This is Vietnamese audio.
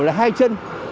là hai chân